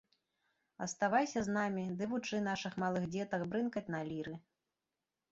Аставайся з намі ды вучы нашых малых дзетак брынкаць на ліры.